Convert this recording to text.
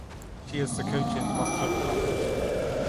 She is the coach at Boston College.